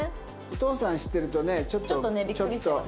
お父さん知ってるとねちょっと「ん？」